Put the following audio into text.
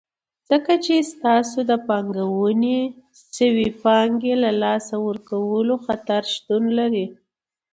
ځکه چې ستاسو د پانګونې شوي پانګې له لاسه ورکولو خطر شتون لري.